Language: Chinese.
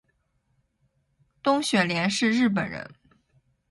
东雪莲是日本人